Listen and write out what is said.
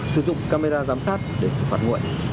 sử dụng camera giám sát để xử phạt nguội